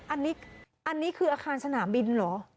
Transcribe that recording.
อันนี้คืออาคารสนามบินเหรอ